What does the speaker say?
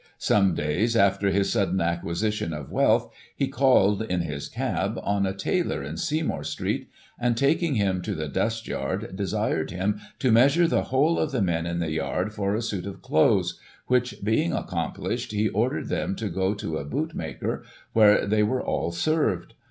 Some days after his sudden acquisition of wealth, he called, in his cab, on a tailor in Seymour Street, and, taking him to the dust yard, desired him to measure the whole of the men in the yard for a suit of clothes, which being accomplished, he ordered them to go to a bootmaker, where they were all served.